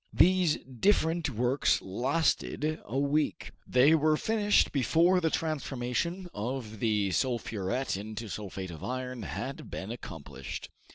These different works lasted a week. They were finished before the transformation of the sulphuret into sulphate of iron had been accomplished.